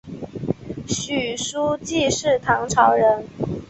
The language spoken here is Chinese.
许叔冀是唐朝人。